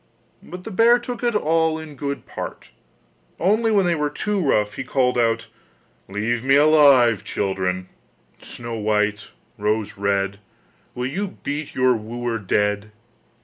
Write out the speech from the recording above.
But the bear took it all in good part, only when they were too rough he called out: 'Leave me alive, children, Snow white, Rose red, Will you beat your wooer dead?